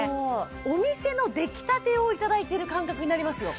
お店のできたてをいただいている感覚になりますよ